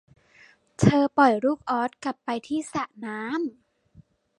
เธอปล่อยลูกอ๊อดกลับไปที่สระน้ำ